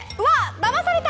だまされた！